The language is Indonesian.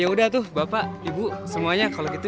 yaudah tuh bapak ibu semuanya kalau gitu